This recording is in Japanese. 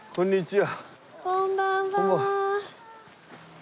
こんにちは。